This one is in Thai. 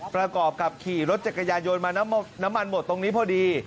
ประกอบกับขี่รถจักรยายนต์มาน้ำมันหมดตรงนี้พอดี